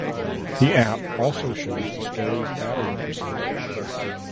The app also shows the Stories’ battery percentage.